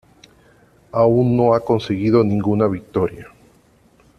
Aún no ha conseguido ninguna victoria.